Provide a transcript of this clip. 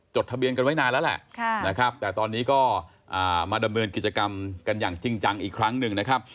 ทะเบียนกันไว้นานแล้วแหละนะครับแต่ตอนนี้ก็มาดำเนินกิจกรรมกันอย่างจริงจังอีกครั้งหนึ่งนะครับ